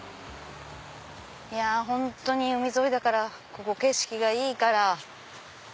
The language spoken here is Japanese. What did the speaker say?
本当に海沿いだからここ景色がいいから。